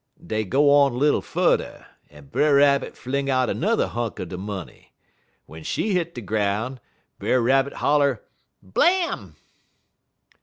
"Dey go on little furder, en Brer Rabbit fling out 'n'er hunk er de money. Wen she hit de groun', Brer Rabbit holler: "'Blam!'